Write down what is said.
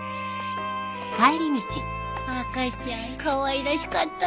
赤ちゃんかわいらしかったねえ。